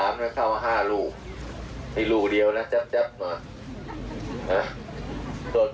มาลูกเดียวพอแล้ว